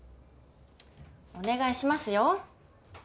お願いしますよ。